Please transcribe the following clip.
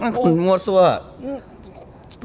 เออโง่ตสัวอ่ะ